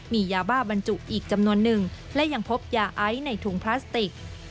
มียาบ้าบรรจุอีกจำนวนนึงและยังพบยาไอในถุงพลาสติก